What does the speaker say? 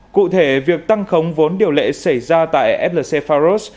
cụ thể việc tăng khống vốn điều lệ xảy ra tại flc faros